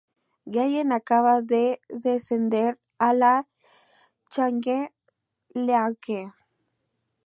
Gallen acababa de descender a la Challenge League.